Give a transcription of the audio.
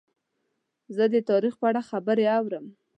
زه د تاریخ په اړه خبرې اورم.